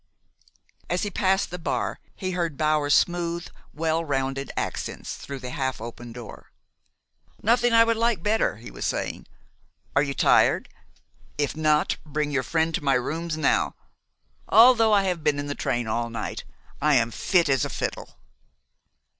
As he passed the bar he heard Bower's smooth, well rounded accents through the half open door. "Nothing I should like better," he was saying. "Are you tired? If not, bring your friend to my rooms now. Although I have been in the train all night, I am fit as a fiddle."